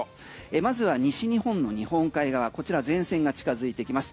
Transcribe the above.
まずは西日本の日本海側こちら前線が近づいていきます。